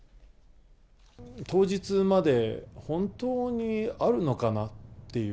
当日まで、本当にあるのかなっていう。